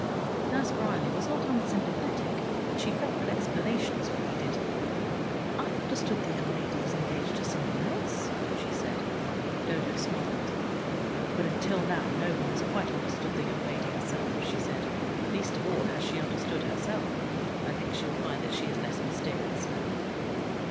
Nurse Bryerley was not unsympathetic, but she felt that explanations were needed. "I understood the young lady was engaged to some one else," she said. Dodo smiled. "But until now no one has quite understood the young lady herself," she said. "Least of all, has she understood herself. I think she will find that she is less mysterious now."